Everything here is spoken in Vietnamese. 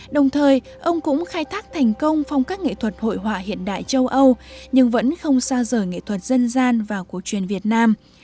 đồng thời ông cũng khai thác thành công phong cách nghệ thuật hội họa hiện đại châu âu nhưng vẫn không xa rời nghệ thuật dân gian và cổ truyền việt nam